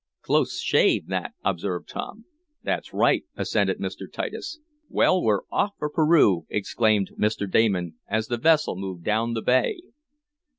"Close shave that," observed Tom. "That's right," assented Mr. Titus. "Well, we're off for Peru!" exclaimed Mr. Damon, as the vessel moved down the bay.